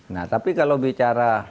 nah tapi kalau bicara